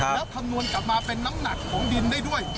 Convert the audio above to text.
แล้วคำนวณกลับมาเป็นน้ำหนักของดินได้ด้วย